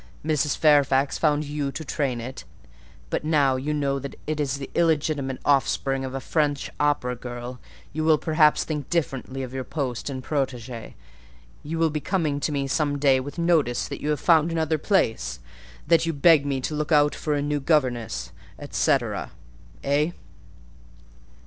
Mrs. Fairfax found you to train it; but now you know that it is the illegitimate offspring of a French opera girl, you will perhaps think differently of your post and protégée: you will be coming to me some day with notice that you have found another place—that you beg me to look out for a new governess, &c.—Eh?"